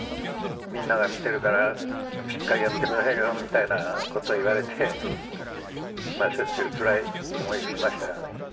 みんなが見てるからしっかりやってくださいよみたいなことを言われて、しょっちゅうつらい思いしましたよね。